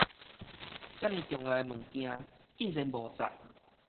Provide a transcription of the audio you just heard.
遮爾重要的物件竟然無紮